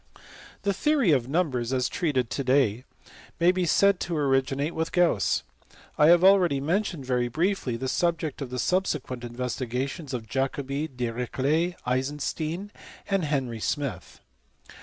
The Theory of Numbers, as treated to day, may be said to originate with Gauss. I have already mentioned very briefly the subject of the subsequent investigations of Jacobi, Dirich let, Eisenstein, and Henry Smith.